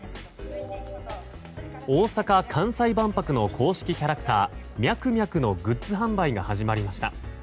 大阪・関西万博の公式キャラクターミャクミャクのグッズ販売が始まりました。